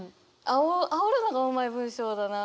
あおるのがうまい文章だな。